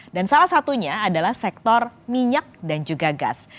dan salah satunya adalah sektor minyak dan juga gas